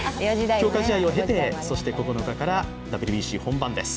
強化試合を経て９日からＷＢＣ本番です。